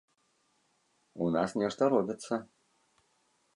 У нас нешта робіцца.